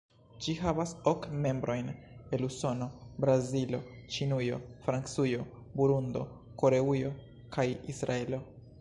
Ĝi havas ok membrojn, el Usono, Brazilo, Ĉinujo, Francujo, Burundo, Koreujo kaj Israelo.